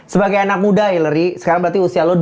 sebagai anak muda hillary sekarang berarti usia lo dua